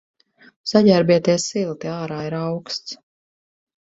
Saģērbieties silti, ārā ir auksts.